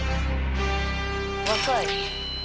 若い。